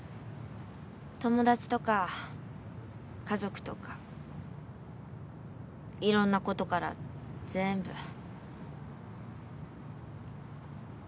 友達とか家族とかいろんなことから全部。